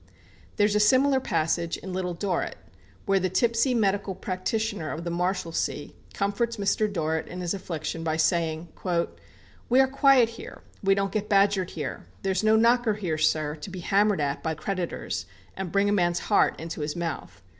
There is a similar passage in "Little Dorrit," where the tipsy medical practitioner of the Marshalsea comforts Mr. Dorrit in his affliction by saying: "We are quiet here; we don't get badgered here; there's no knocker here, sir, to be hammered at by creditors, and bring a man's heart into his mouth.